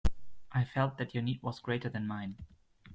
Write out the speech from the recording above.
I felt that your need was greater than mine.